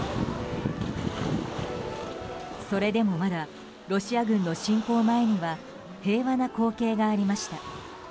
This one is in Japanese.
それでもまだロシア軍の侵攻前には平和な光景がありました。